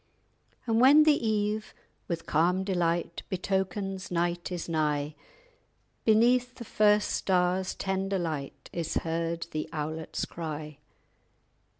_ And when the eve, with calm delight, Betokens night is nigh, Beneath the first star's tender light _Is heard the owlet's cry.